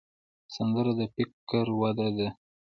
سندره د فکر وده ده